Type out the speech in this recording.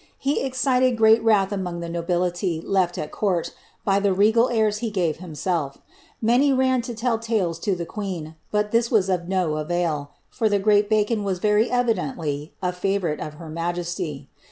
He excited rreat wrath among the nobility left at eonrt, by the regal airs he gave himself; many ran to tell tales to the queen, but this was of no avail, for the great Bacon was very evidently a favourite with her majesty.